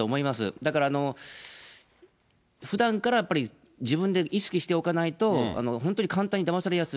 だから、ふだんからやっぱり自分で意識しておかないと、本当に簡単にだまされやすい。